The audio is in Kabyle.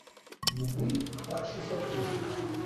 Yewwi taqcict akkin.